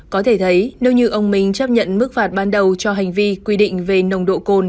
có thể thấy nếu như ông minh chấp nhận mức phạt ban đầu cho hành vi quy định về nồng độ cồn